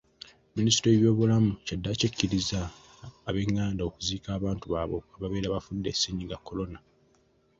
Minisitule y'ebyobulamu kyaddaaki ekkirizza ab'enganda okuziika abantu baabwe ababeera bafudde ssennyiga korona.